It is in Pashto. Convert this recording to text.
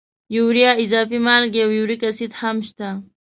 یوریا، اضافي مالګې او یوریک اسید هم شته.